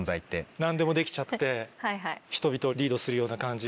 何でもできちゃって人々をリードするような感じ。